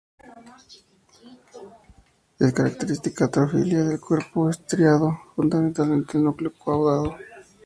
Es característica la atrofia del cuerpo estriado, fundamentalmente del núcleo caudado.